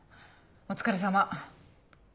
お疲れさま。